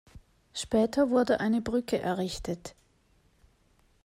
Später wurde eine Brücke errichtet.